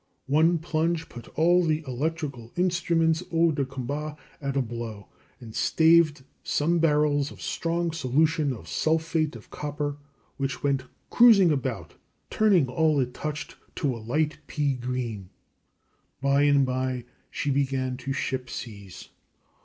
One plunge put all the electrical instruments hors de combat at a blow, and staved some barrels of strong solution of sulphate of copper, which went cruising about, turning all it touched to a light pea green. By and by she began to ship seas.